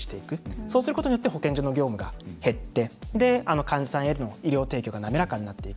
そうすることによって保健所の業務が減って患者さんへの医療提供が滑らかになる。